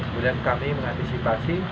kemudian kami mengatasi